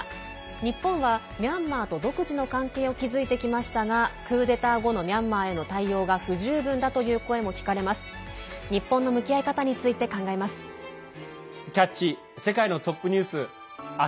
日本はミャンマーと独自の関係を築いてきましたがクーデター後のミャンマーへの対応が不十分だという声も聞かれます。